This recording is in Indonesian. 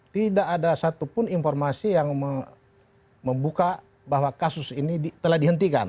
tidak ada satupun informasi yang membuka bahwa kasus ini telah dihentikan